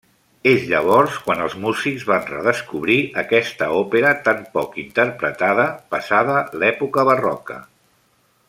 És llavors quan els músics van redescobrir aquesta òpera tan poc interpretada passada l'època barroca.